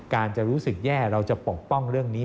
จะรู้สึกแย่เราจะปกป้องเรื่องนี้